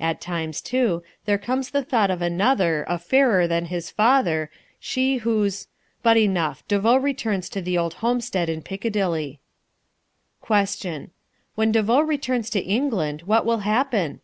At times, too, there comes the thought of another, a fairer than his father; she whose but enough, De Vaux returns to the old homestead in Piccadilly. Question. When De Vaux returns to England, what will happen?